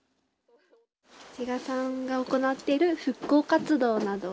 志賀さんが行っている復興活動など。